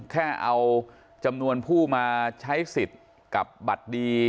แค่เอาจำนวนผู้มาใช้สิทธิ์กับบัตรดี